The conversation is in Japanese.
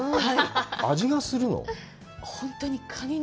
味がするの？